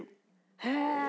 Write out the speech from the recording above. へえ！